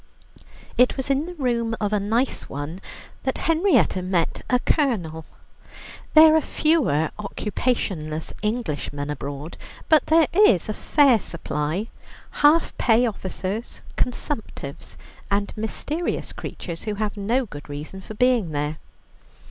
It was in the room of a nice one that Henrietta met a Colonel. There are fewer occupationless Englishmen abroad, but there is a fair supply half pay officers, consumptives, and mysterious creatures, who have no good reason for being there.